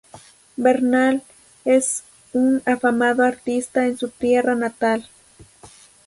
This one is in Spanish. Bernal es un afamado artista en su tierra natal.